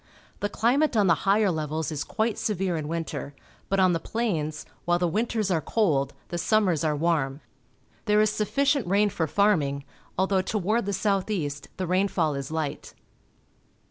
The climate on the higher levels is quite severe in winter, but on the plains, while the winters are cold, the sum mers are warm. There is sufficient rain for farming, although toward the south east the rainfall is light.